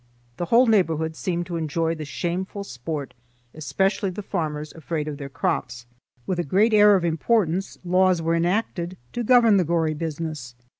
The whole neighborhood seemed to enjoy the shameful sport especially the farmers afraid of their crops. With a great air of importance, laws were enacted to govern the gory business.